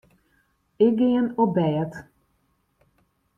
Ik gean op bêd.